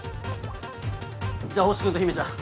じゃあ星君と姫ちゃん